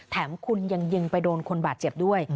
แถมคุณยังยิงไปโดนคนบาดเจ็บด้วย